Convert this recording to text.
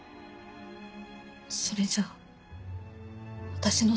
それじゃ私のせいで。